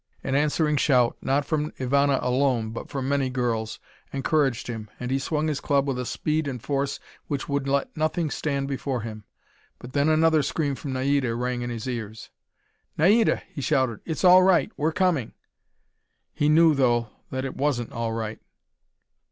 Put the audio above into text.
An answering shout, not from Ivana alone but from many girls, encouraged him, and he swung his club with a speed and force which would let nothing stand before him. But then another scream from Naida rang in his ears. "Naida!" he shouted. "It's all right! We're coming!" He knew, though, that it wasn't all right.